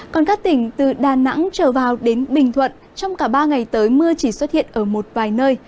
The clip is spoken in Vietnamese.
còn các tỉnh từ đà nẵng trở vào đến bình thuận trong cả ba ngày tới mưa chỉ xuất hiện ở một vài nơi